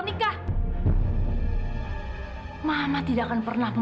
nggak balik ke bandung